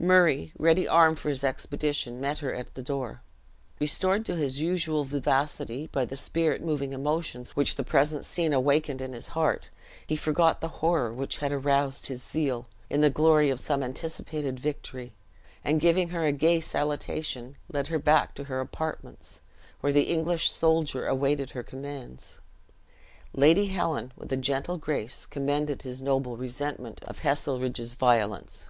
Murray, ready armed for his expedition, met her at the door. Restored to his usual vivacity by the spirit moving emotions which the present scene awakened in his heart, he forgot the horror which had aroused his zeal, in the glory of some anticipated victory; and giving her a gay salutation, led her back to her apartments, where the English soldier awaited her commands. Lady Helen, with a gentle grace, commended his noble resentment of Heselrigge's violence.